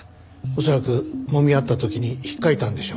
恐らくもみ合った時に引っかいたんでしょうね。